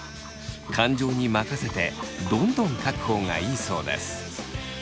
感情に任せてどんどん書く方がいいそうです。